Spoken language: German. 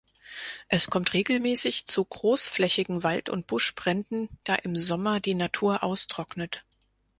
Es kommt regelmäßig zu großflächigen Wald- und Buschbränden, da im Sommer die Natur austrocknet.